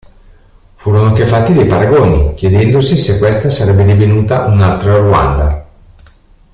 Furono anche fatti dei paragoni, chiedendosi se questa sarebbe divenuta un'"altra Rwanda".